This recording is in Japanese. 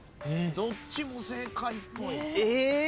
どっちも正解っぽい。